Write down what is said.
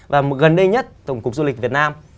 và gần đây nhất tổng cục du lịch việt nam